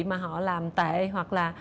mà họ làm tệ hoặc là